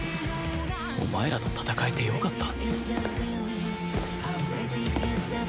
お前らと戦えてよかった